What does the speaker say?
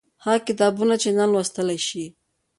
هغه کتابونه چې نن لوستلای شئ